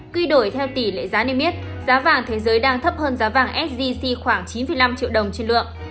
quy đổi theo tỷ lệ giá niêm yết giá vàng thế giới đang thấp hơn giá vàng sgc khoảng chín năm triệu đồng trên lượng